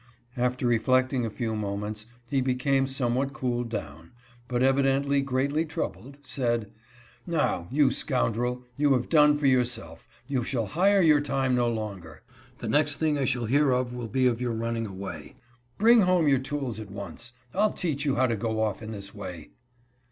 After reflecting a few moments, he became somewhat cooled down, but, evidently greatly troubled, said :" Now, you scoundrel, you have done for yourself ; you shall hire your time no longer. The next thing 1 shall hear of will be your running away. Bring home your tools at once. I'll teach you how to go off in this way."